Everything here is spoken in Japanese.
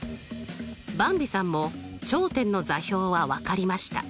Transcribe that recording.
ばんびさんも頂点の座標は分かりました。